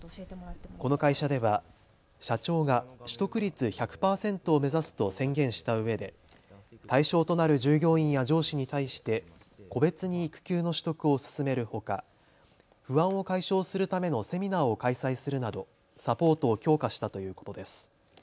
この会社では社長が取得率１００％を目指すと宣言したうえで対象となる従業員や上司に対して個別に育休の取得を勧めるほか不安を解消するためのセミナーを開催するなどサポートを強化したということです。